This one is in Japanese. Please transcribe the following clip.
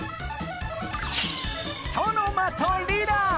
ソノマとリラ！